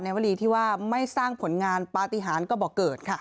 วรีที่ว่าไม่สร้างผลงานปฏิหารก็บอกเกิดค่ะ